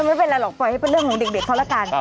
ไม่เป็นไรหรอกปล่อยให้เป็นเรื่องของเด็กเขาละกัน